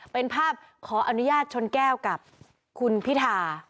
เป็นภาพขออนุญาตชนแก้วกับคุณพิธา